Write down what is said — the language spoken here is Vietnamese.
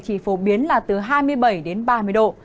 chỉ phổ biến là từ hai mươi bảy đến ba mươi độ